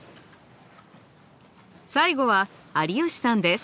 最後は有吉さんです。